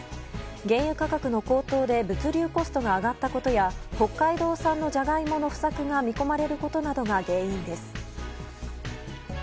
原油価格の高騰で物流コストが上がったことや北海道産のジャガイモの不作が見込まれることなどが原因です。